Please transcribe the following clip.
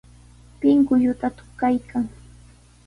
Pinkulluta tukaykan.